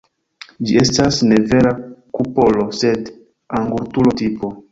Ĝi estas ne vera kupolo, sed angulturo-tipo.